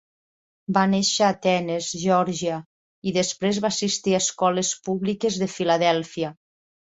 Va néixer a Atenes (Geòrgia) i després va assistir a escoles públiques de Filadèlfia.